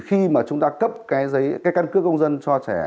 khi mà chúng ta cấp cái giấy cái căn cước công dân cho trẻ